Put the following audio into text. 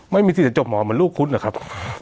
ไม่มีสิทธิ์จบหมอเหมือนลูกคุณหรอกครับ